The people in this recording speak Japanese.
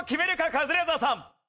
カズレーザーさん。